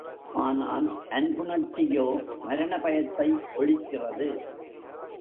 ஆனால் அன்புணர்ச்சியோ மரணபயத்தை ஒழிக்கிறது.